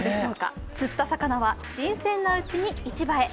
釣った魚は新鮮なうちに市場へ。